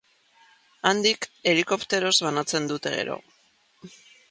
Handik helikopteroz banatzen dute gero.